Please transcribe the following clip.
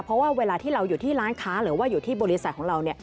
เพราะว่าเวลาที่เราอยู่ที่ร้านค้าหรือว่าอยู่ที่บริษัทของเรา